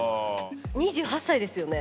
２８歳ですよね？